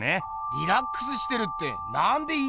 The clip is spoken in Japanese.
リラックスしてるってなんで言い切れんだよ。